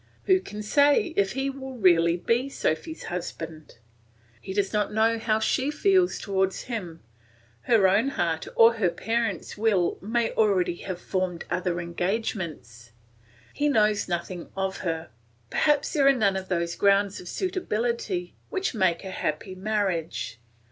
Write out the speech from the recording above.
Who can say if he will really be Sophy's husband? He does not know how she feels towards him; her own heart or her parents' will may already have formed other engagements; he knows nothing of her, perhaps there are none of those grounds of suitability which make a happy marriage.